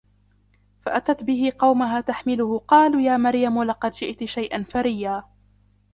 فَأَتَتْ بِهِ قَوْمَهَا تَحْمِلُهُ قَالُوا يَا مَرْيَمُ لَقَدْ جِئْتِ شَيْئًا فَرِيًّا